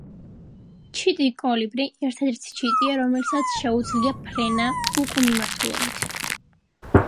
ჩიტი კოლიბრი – ერთადერთი ჩიტია, რომელსაც შეუძლია ფრენა უკუმიმართულებით.